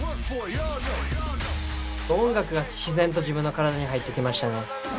音楽が自然と自分の体に入ってきましたね。